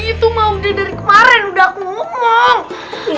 itu mah udah dari kemarin udah aku ngomong